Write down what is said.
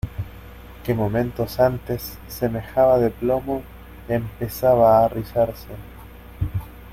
que momentos antes semejaba de plomo, empezaba a rizarse.